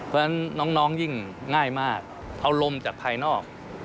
เพราะฉะนั้นน้องยิ่งง่ายมากเอาลมจากภายนอก